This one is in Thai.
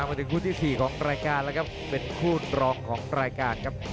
พักหัวหน่อยและสวัสดีครับ